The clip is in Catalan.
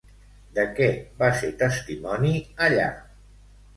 De què va ser testimoni allà?